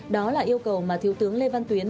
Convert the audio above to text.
đó là yêu cầu mà thiếu tướng lê văn tuyến